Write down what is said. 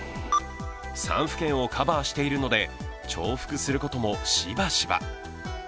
３府県をカバーしているので、重複することもしばしば。